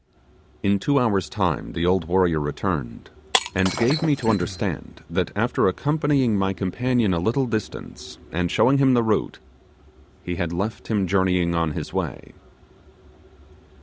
In two hours' time the old warrior returned, and gave me to understand that after accompanying my companion a little distance, and showing him the route, he had left him journeying on his way.